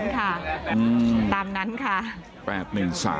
๘๑๓ครับตามนั้นค่ะ